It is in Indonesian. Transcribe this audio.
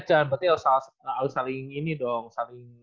berarti harus saling ini dong saling